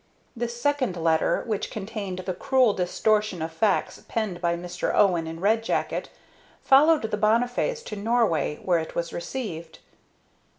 This second letter, which contained the cruel distortion of facts penned by Mr. Owen in Red Jacket, followed the Bonnifays to Norway, where it was received.